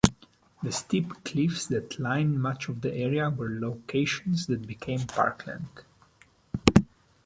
The steep cliffs that line much of the area were locations that became parkland.